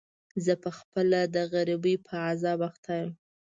زه په خپله د غريبۍ په عذاب اخته يم.